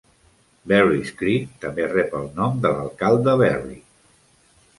Berrys Creek també rep el nom de l'alcalde Berry.